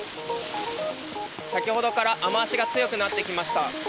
先ほどから雨脚が強くなってきました。